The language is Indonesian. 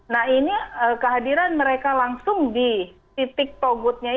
nah ini kehadiran mereka langsung di titik togutnya itu